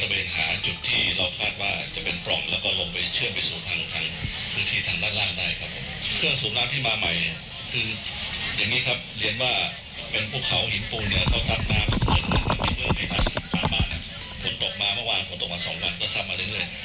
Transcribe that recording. ฝนตกมาเมื่อวานฝนตกมา๒วันก็ทราบมาเรื่อย